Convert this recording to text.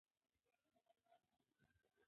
لښتې په نغري کې د اور لمبې په ځیر وکتلې.